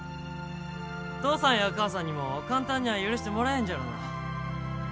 父さんや母さんにも、簡単にゃあ許してもらえんじゃろうな。